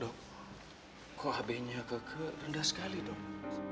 dok kok hb nya kike rendah sekali dok